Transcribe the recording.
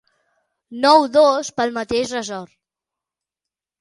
Nou dos pel mateix ressort.